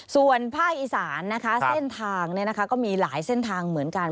ส่วนภาคอีสานนะคะเส้นทางก็มีหลายเส้นทางเหมือนกัน